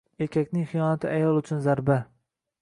Erkakning xiyonati ayol uchun zarba